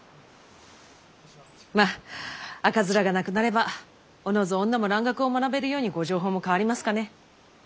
まっ赤面がなくなればおのず女も蘭学を学べるようにご定法も変わりますかね。